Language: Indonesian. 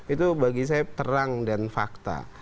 itu bagi saya terang dan fakta